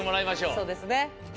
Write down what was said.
そうですね。